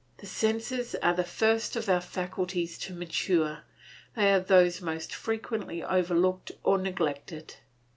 The senses are the first of our faculties to mature; they are those most frequently overlooked or neglected.